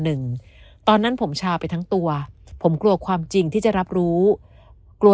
หนึ่งตอนนั้นผมชาไปทั้งตัวผมกลัวความจริงที่จะรับรู้กลัว